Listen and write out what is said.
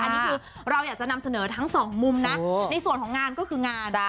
อันนี้คือเราอยากจะนำเสนอทั้งสองมุมนะในส่วนของงานก็คืองาน